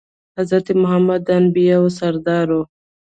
حضرت محمد د انبياوو سردار وو.